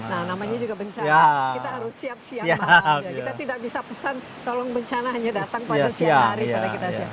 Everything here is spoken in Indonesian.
nah namanya juga bencana kita harus siap siap kita tidak bisa pesan tolong bencana hanya datang pada siang hari karena kita siap